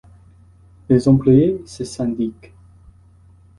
Les employés se syndiquent.